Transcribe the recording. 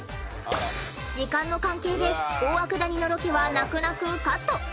時間の関係で大涌谷のロケは泣く泣くカット！